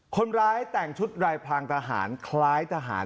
คนร้ายแต่งชุดรายพลางทหารคล้ายทหาร